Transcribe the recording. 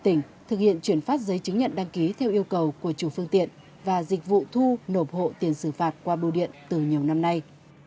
tỉnh thực hiện chuyển phát giấy chứng nhận đăng ký theo yêu cầu của chủ phương tiện và dịch vụ thu nộp hộ tiền xử phạt qua bưu điện từ nhiều năm nay